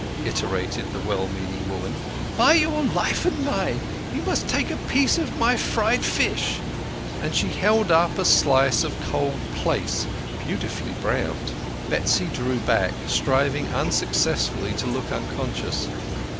iterated the well meaning woman. "By your life and mine, you must taste a piece of my fried fish." And she held up a slice of cold plaice, beautifully browned. Betsy drew back, striving unsuccessfully to look uncon scious.